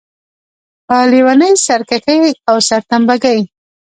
په لېونۍ سرکښۍ او سرتمبه ګۍ.